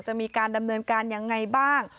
จะมีการดำเนินการยังไงบ้าง